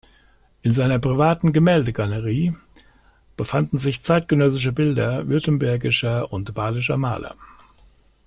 In seiner privaten Gemäldegalerie befanden sich zeitgenössische Bilder württembergischer und badischer Maler.